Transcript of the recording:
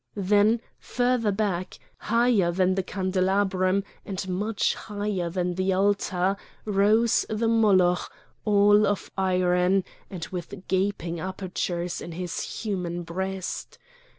Then further back, higher than the candelabrum, and much higher than the altar, rose the Moloch, all of iron, and with gaping apertures in his human breast.